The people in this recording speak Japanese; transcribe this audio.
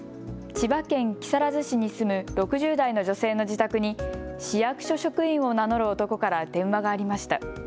千葉県木更津市に住む６０代の女性の自宅に市役所職員を名乗る男から電話がありました。